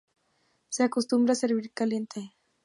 Se acostumbra a servir caliente.